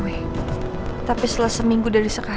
biar gua bisa nolak permintaan riki